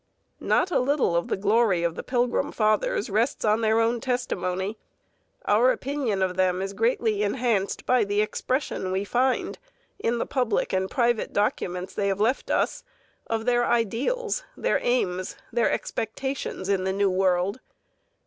Not a little of the glory of the Pilgrim Fathers rests on their own testimony. Our opinion of them is greatly enhanced by the expression we find, in the public and private documents they have left us, of their ideals, their aims, their expectations in the New World.